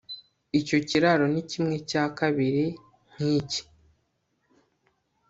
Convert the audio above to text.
Icyo kiraro ni kimwe cya kabiri nkiki